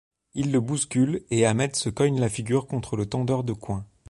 Il le bouscule et Hamed se cogne la figure contre le tendeur de coin.